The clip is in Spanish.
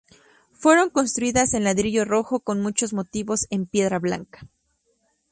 Fueron construidas en ladrillo rojo con muchos motivos en piedra blanca.